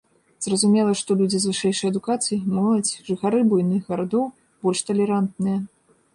Зразумела, што людзі з вышэйшай адукацыяй, моладзь, жыхары буйных гарадоў больш талерантныя.